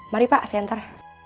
mari pak saya antar